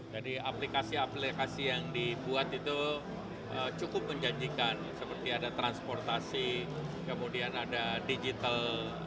jadi aplikasi aplikasi yang dibuat itu cukup menjanjikan seperti ada transportasi kemudian ada digital